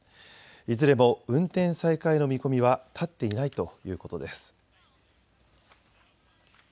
いずれも運転再開の見込みは立っていないということです。